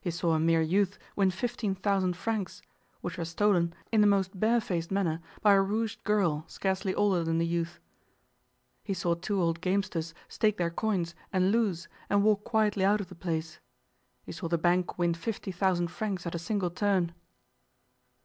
He saw a mere youth win fifteen thousand francs, which were stolen in the most barefaced manner by a rouged girl scarcely older than the youth; he saw two old gamesters stake their coins, and lose, and walk quietly out of the place; he saw the bank win fifty thousand francs at a single turn.